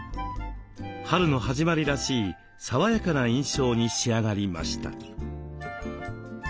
春の始まりらしい爽やかな印象に仕上がりました。